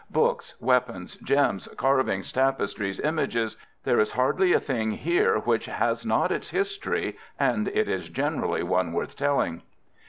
Books, weapons, gems, carvings, tapestries, images—there is hardly a thing here which has not its history, and it is generally one worth telling."